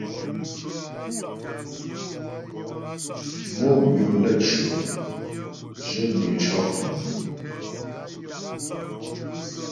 Mò gwìm naə́tʉɔ̂, zhwyə̂nwə é cɔ́'.